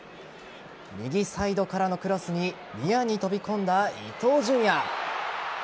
右サイドからのクロスにニアに飛び込んだ伊東純也。